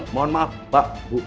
mohon maaf pak ibu